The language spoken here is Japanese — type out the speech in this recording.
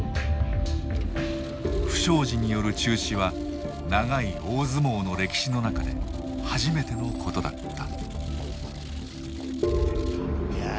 不祥事による中止は長い大相撲の歴史の中で初めてのことだった。